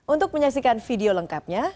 untuk menyaksikan video lengkapnya